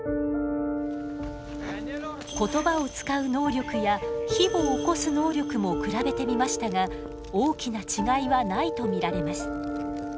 言葉を使う能力や火をおこす能力も比べてみましたが大きな違いはないと見られます。